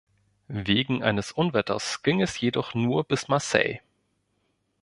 Wegen eines Unwetters ging es jedoch nur bis Marseille.